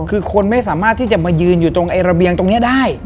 คือคนไม่สามารถที่จะมายืนอยู่ตรงระเบียงตรงนี้ได้